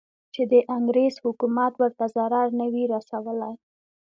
چې د انګریز حکومت ورته ضرر نه وي رسولی.